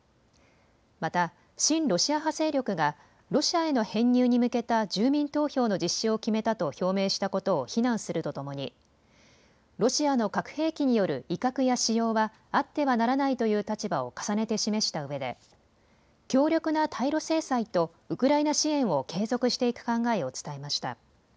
また親ロシア派勢力がロシアへの編入に向けた住民投票の実施を決めたと表明したことを非難するとともにロシアの核兵器による威嚇や使用はあってはならないという立場を重ねて示したうえで強力な対ロ制裁とウクライナ支援を継続していく考えを伝えました。